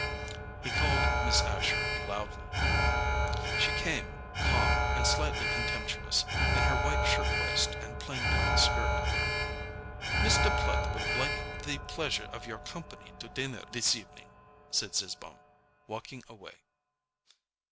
He called Miss Asher loudly. She came, calm and slightly contemptuous, in her white shirt waist and plain black skirt. "Mr. Platt would like the pleasure of your company to dinner this evening," said Zizzbaum, walking away.